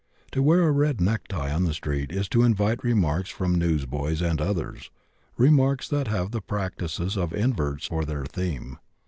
To wear a red necktie on the street is to invite remarks from newsboys and others remarks that have the practices of inverts for their theme.